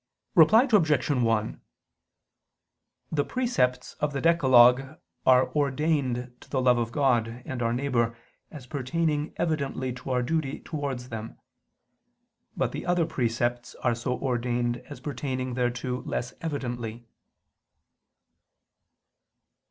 Reply Obj. 1: The precepts of the decalogue are ordained to the love of God and our neighbor as pertaining evidently to our duty towards them; but the other precepts are so ordained as pertaining thereto less evidently.